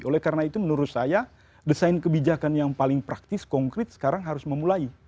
oleh karena itu menurut saya desain kebijakan yang paling praktis konkret sekarang harus memulai